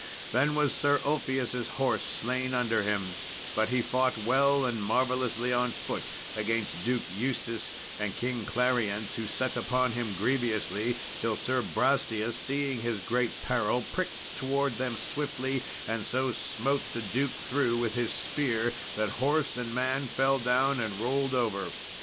Then was Sir Ulfius' horse slain under him; but he fought well and marvellously on foot against Duke Eustace and King Clarience, who set upon him grievously, till Sir Brastias, seeing his great peril, pricked towards them swiftly, and so smote the duke through with his spear that horse and man fell down and rolled over.